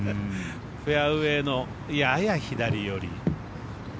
フェアウエーのやや左寄り。